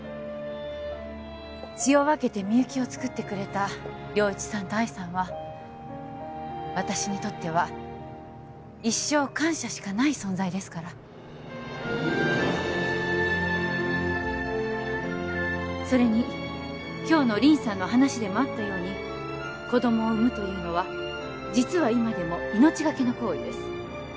血を分けてみゆきをつくってくれた良一さんと愛さんは私にとっては一生感謝しかない存在ですからそれに今日の鈴さんの話でもあったように子供を産むというのは実は今でも命がけの行為です